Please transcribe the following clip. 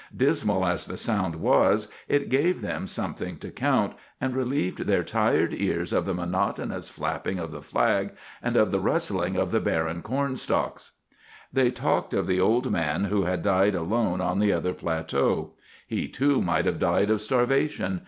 Dismal as the sound was, it gave them something to count, and relieved their tired ears of the monotonous flapping of the flag and of the rustling of the barren corn stalks. They talked of the old man who had died alone on the other plateau. He, too, might have died of starvation.